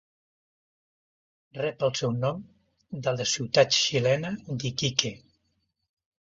Rep el seu nom de la ciutat xilena d'Iquique.